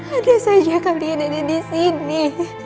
ada saja kalian ada di sini